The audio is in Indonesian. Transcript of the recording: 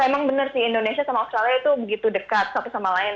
emang bener sih indonesia sama australia itu begitu dekat satu sama lain